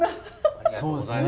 そうですね。